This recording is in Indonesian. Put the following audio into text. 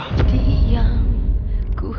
ku hanya sanggup terdiam